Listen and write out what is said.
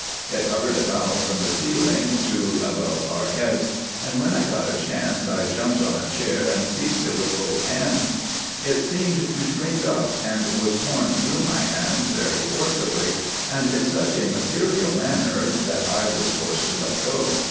It hovered about from the ceiling to above our heads, and when I got a chance I jumped on a chair and seized it with both hands. It seemed to shrink up, and was torn through my hands very forcibly, and in such a material manner that I was forced to let go.